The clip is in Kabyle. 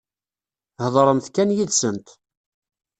Heḍṛemt kan yid-sent.